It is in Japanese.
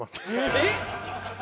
えっ！